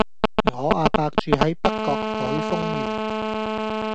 我阿伯住喺北角海峰園